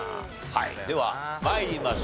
はいでは参りましょう。